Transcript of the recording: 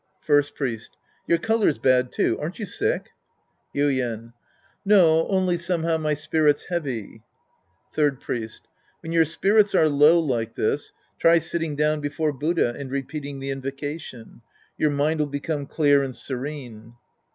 First Priest. Your color's bad, too. Aren't you sick ? Yuien. No, only somehow my spirit's heavy. Third Priest. When your spirits are low like this, try sitting down before Buddha and repeating the invocation. Your mind'U become clear and serene.